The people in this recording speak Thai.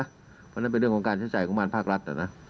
เพราะฉะนั้นเป็นเรื่องของการใช้จ่ายของมันภาครัฐนะ